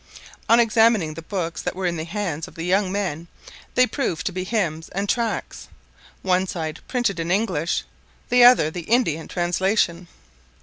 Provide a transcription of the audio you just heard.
On examining the books that were in the hands of the young men, they proved to be hymns and tracts, one side printed in English, the other the Indian translation.